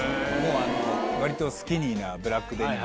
割とスキニーなブラックデニム。